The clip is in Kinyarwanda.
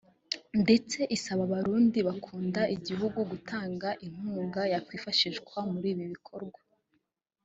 ndetse isaba Abarundi bakunda igihugu gutanga inkunga yakwifashishwa muri ibi bikorwa